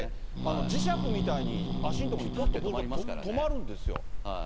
磁石みたいに、足の所にボールが止まるんですよ。